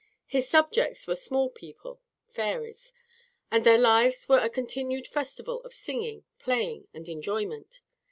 His subjects were "small people" (fairies), and their lives were a continued festival of singing, playing, and enjoyment.